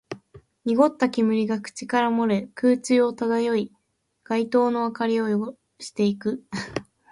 濁った煙が口から漏れ、空中を漂い、街灯の明かりを汚していく